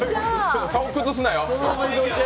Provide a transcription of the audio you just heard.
顔、崩すなよ。